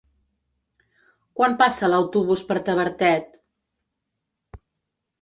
Quan passa l'autobús per Tavertet?